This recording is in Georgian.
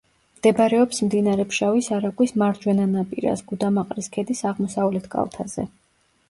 მდებარეობს მდინარე ფშავის არაგვის მარჯვენა ნაპირას, გუდამაყრის ქედის აღმოსავლეთ კალთაზე.